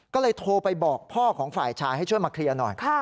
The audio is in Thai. ก็เลยโทรไปบอกพ่อของฝ่ายชายให้ช่วยมาเคลียร์หน่อย